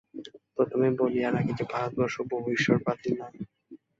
প্রথমেই বলিয়া রাখি যে, ভারতবর্ষে বহু-ঈশ্বরবাদ নাই।